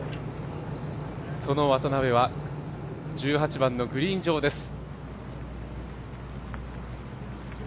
その渡邉は１８番のグリーン上です。